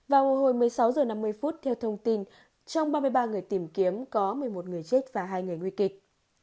vào hồi một mươi sáu h năm mươi theo thông tin trong ba mươi ba người tìm kiếm có một mươi một người chết và hai người nguy kịch